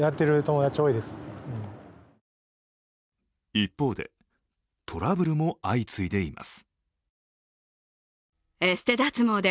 一方でトラブルも相次いでいます。